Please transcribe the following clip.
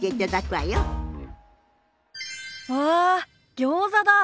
わあギョーザだ。